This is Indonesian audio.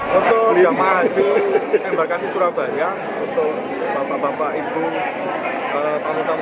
pemeriksaan sekarang terpotong karena ada kegiatan racetrack